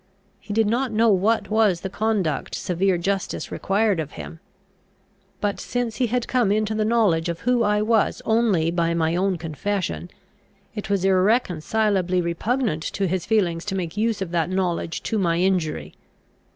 He did not know what was the conduct severe justice required of him; but, since he had come into the knowledge of who I was only by my own confession, it was irreconcilably repugnant to his feelings to make use of that knowledge to my injury.